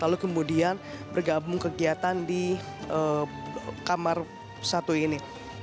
lalu kemudian bergabung kegiatan di kamar satu ini